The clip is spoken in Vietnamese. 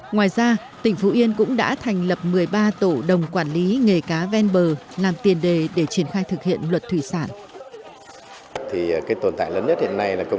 ngoài ra tỉnh phú yên cũng đã thành lập một mươi ba tổ đồng quản lý nghề cá ven bờ làm tiền đề để triển khai thực hiện luật thủy sản